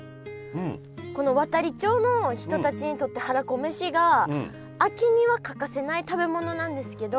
この亘理町の人たちにとってはらこめしが秋には欠かせない食べ物なんですけど。